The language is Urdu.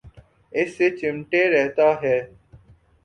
اس سے چمٹے رہتا ہے۔